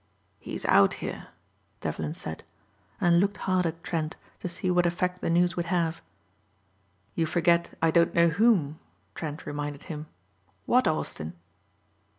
"He's out here," Devlin said and looked hard at Trent to see what effect the news would have. "You forget I don't know whom," Trent reminded him. "What Austin?"